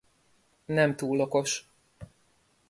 Nem túl okos.